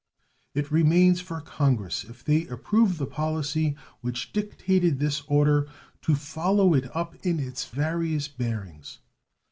It remains for Congress if they approve the policy which dictated this order to follow it up in its various bearings.